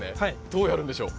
どうやるんでしょう？